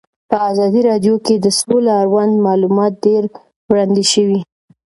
په ازادي راډیو کې د سوله اړوند معلومات ډېر وړاندې شوي.